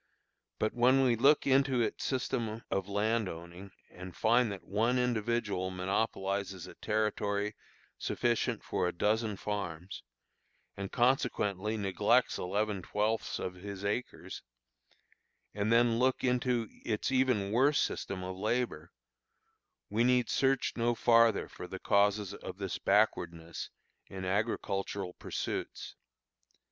But when we look into its system of land owning, and find that one individual monopolizes a territory sufficient for a dozen farms, and consequently neglects eleven twelfths of his acres; and then look into its even worse system of labor, we need search no farther for the causes of this backwardness in agricultural pursuits.